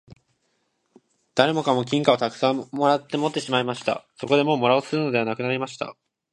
誰もかも金貨をたくさん貰って持っていました。そこでもう貰おうとするものはなくなりました。